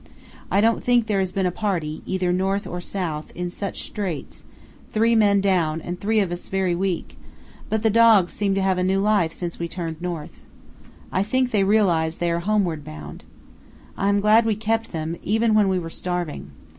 I don't think there has been a party, either north or south, in such straits, three men down and three of us very weak; but the dogs seem to have new life since we turned north. I think they realize they are homeward bound. I am glad we kept them, even when we were starving.